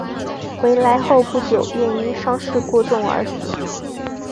回来后不久便因伤势过重而死。